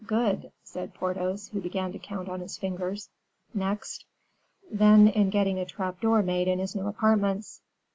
Good," said Porthos, who began to count on his fingers; "next?" "Then in getting a trap door made in his new apartments."